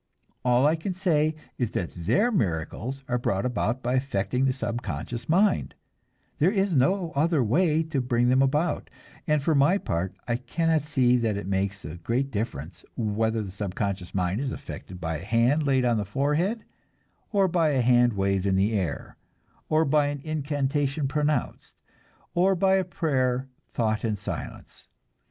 All I can say is that their miracles are brought about by affecting the subconscious mind; there is no other way to bring them about, and for my part I cannot see that it makes a great difference whether the subconscious mind is affected by a hand laid on the forehead, or by a hand waved in the air, or by an incantation pronounced, or by a prayer thought in silence.